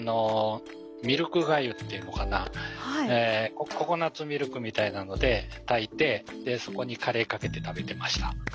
ミルクがゆっていうのかなココナツミルクみたいなので炊いてそこにカレーかけて食べてました。